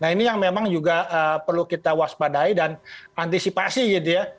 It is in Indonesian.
nah ini yang memang juga perlu kita waspadai dan antisipasi gitu ya